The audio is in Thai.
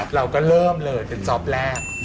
เราก็เริ่มเลยเป็นซอปแรก